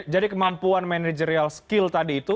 jadi kemampuan managerial skill tadi itu